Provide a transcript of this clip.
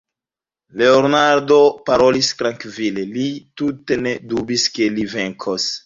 Leonardo parolis trankvile; li tute ne dubis, ke li venkos.